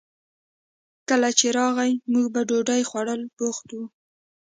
هغه چې کله راغئ موږ په ډوډۍ خوړولو بوخت وو